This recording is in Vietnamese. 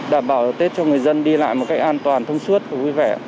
đảm bảo tết cho người dân đi lại một cách an toàn thông suốt và vui vẻ